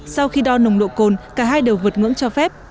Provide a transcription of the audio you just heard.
sau khi đo nồng độ cồn cả hai đều vượt ngưỡng cho phép